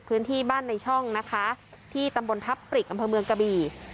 พื้นที่บ้านในช่องนะคะที่ตำบลทัพปริกอำเภอเมืองกะบี่